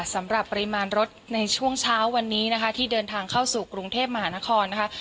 สำหรับปริมาณรถในช่วงเช้าวันนี้นะคะที่เดินทางเข้าสู่กรุงเทพมหานครนะคะ